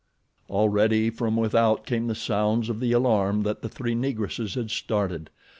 Already from without came the sounds of the alarm that the three Negresses had started.